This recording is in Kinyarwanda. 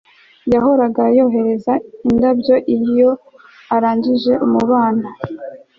yahoraga yohereza indabyo iyo arangije umubano